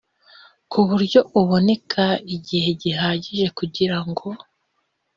Ku buryo haboneka igihe gihagije kugira ngo